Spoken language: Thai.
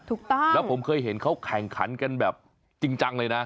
ถูกต้องแล้วผมเคยเห็นเขาแข่งขันกันแบบจริงจังเลยนะ